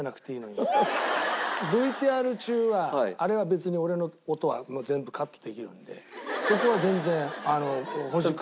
ＶＴＲ中はあれは別に俺の音は全部カットできるのでそこは全然。